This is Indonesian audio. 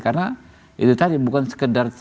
karena itu tadi bukan sekedar